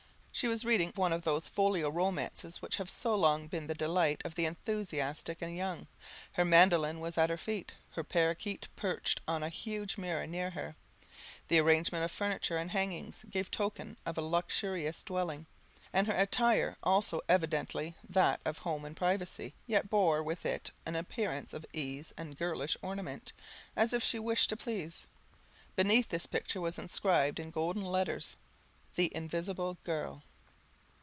She was reading one of those folio romances which have so long been the delight of the enthusiastic and young; her mandoline was at her feet her parroquet perched on a huge mirror near her; the arrangement of furniture and hangings gave token of a luxurious dwelling, and her attire also evidently that of home and privacy, yet bore with it an appearance of ease and girlish ornament, as if she wished to please. Beneath this picture was inscribed in golden letters, "The Invisible Girl."